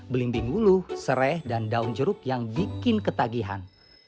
belimbing ulu serai dan daun jeruk yang bikin ketagihan